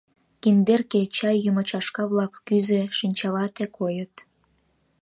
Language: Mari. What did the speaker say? Киндерке, чай йӱмӧ чашка-влак, кӱзӧ, шинчалате койыт.